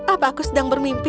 apa aku sedang bermimpi